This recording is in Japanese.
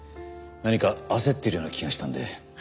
何か焦ってるような気がしたので。